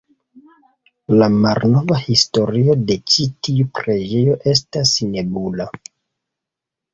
La malnova historio de ĉi tiu preĝejo estas nebula.